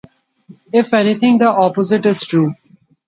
If anything, the opposite is true.